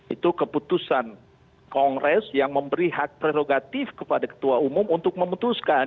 itu keputusan kongres yang memberi hak prerogatif kepada ketua umum untuk memutuskan